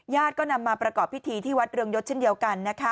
ก็นำมาประกอบพิธีที่วัดเรืองยศเช่นเดียวกันนะคะ